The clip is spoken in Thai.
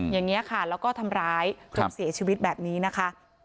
อย่างนี้ค่ะแล้วก็ทำร้ายจนเสียชีวิตแบบนี้นะคะ